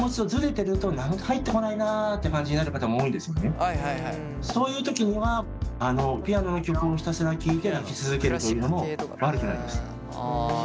歌詞のない曲を好む方はそういう時にはピアノの曲をひたすら聴いて泣き続けるというのも悪くないですよ。